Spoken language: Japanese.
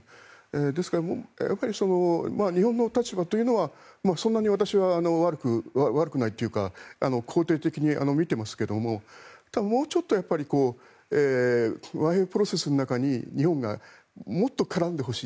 ですから、日本の立場というのはそんなに私は悪くは悪くないというか肯定的に見てますがもうちょっと和平プロセスの中に日本がもっと絡んでほしい。